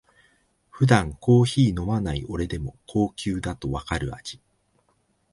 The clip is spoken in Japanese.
普段コーヒー飲まない俺でも高級だとわかる味